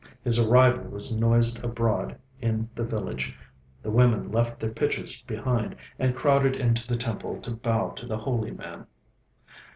His arrival was noised abroad in the village. The women left their pitchers behind, and crowded into the temple to bow to the holy man.